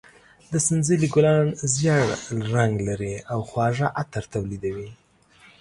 د سنځلې ګلان زېړ رنګ لري او خواږه عطر تولیدوي.